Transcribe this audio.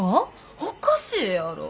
おかしいやろ？